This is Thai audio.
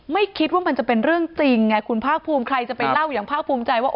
ไม่คิดว่ามันจะเป็นเรื่องจริงไงคุณภาคภูมิใครจะไปเล่าอย่างภาคภูมิใจว่า